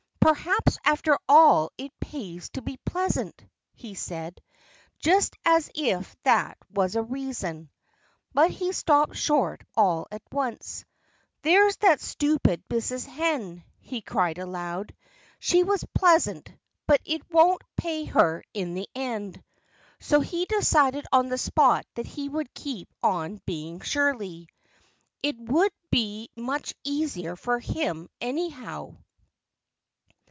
"Perhaps, after all, it pays to be pleasant," he said just as if that was a reason! But he stopped short all at once. "There's that stupid Mrs. Hen," he cried aloud. "She was pleasant; but it won't pay her, in the end!" So he decided on the spot that he would keep on being surly. It would be much easier for him, anyhow.